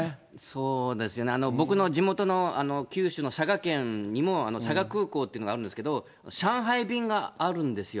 そうですよね、僕の地元の九州の佐賀県にも、佐賀空港っていうのがあるんですけど、上海便があるんですよ。